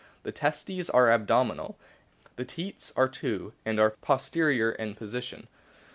The testes are abdominal. The teats are two, and are posterior in position.